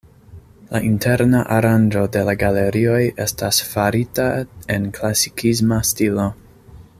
La interna aranĝo de la galerioj estas farita en klasikisma stilo.